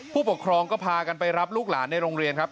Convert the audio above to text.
ผู้ปกครองก็พากันไปรับลูกหลานในโรงเรียนครับ